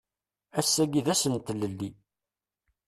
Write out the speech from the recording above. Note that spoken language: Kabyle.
Ass-agi d ass n tlelli.